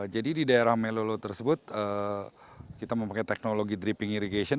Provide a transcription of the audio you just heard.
jadi di daerah melolo tersebut kita memakai teknologi dripping irrigation